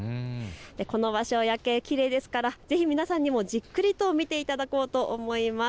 この場所は夜景、きれいですからぜひ皆さんにもじっくりと見ていただこうと思います。